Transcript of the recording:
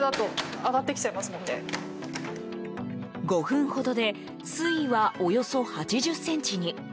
５分ほどで水位は、およそ８０ｃｍに。